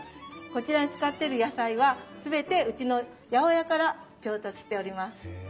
こちらに使ってる野菜は全てうちの八百屋から調達しております。